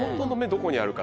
どこにあるか？